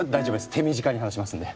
手短に話しますんで。